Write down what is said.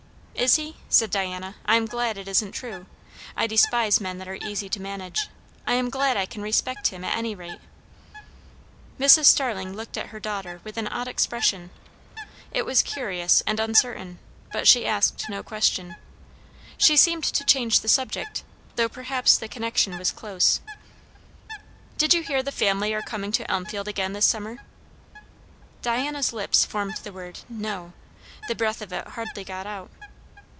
"Is he?" said Diana. "I am glad it isn't true. I despise men that are easy to manage. I am glad I can respect him, at any rate." Mrs. Starling looked at her daughter with an odd expression. It was curious and uncertain; but she asked no question. She seemed to change the subject; though perhaps the connection was close. "Did you hear the family are coming to Elmfield again this summer?" Diana's lips formed the word "no;" the breath of it hardly got out.